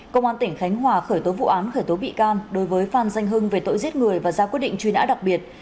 công an tỉnh khánh hòa khởi tố vụ án khởi tố bị can đối với phan danh hưng về tội giết người và ra quyết định truy nã đặc biệt